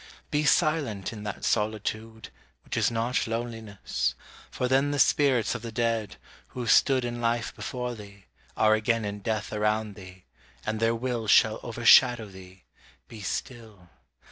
Be silent in that solitude, Which is not loneliness for then The spirits of the dead, who stood In life before thee, are again In death around thee, and their will Shall overshadow thee; be still.